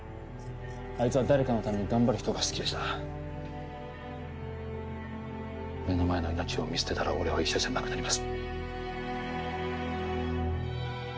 あいつは誰かのために頑張る人が好きでした目の前の命を見捨てたら俺は医者じゃなくなります